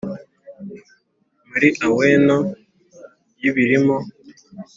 muri æon y'ibirimo!